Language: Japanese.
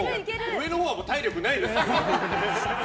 上のほうは体力ないですからね。